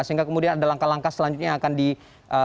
sehingga kemudian ada langkah langkah selanjutnya yang akan dilakukan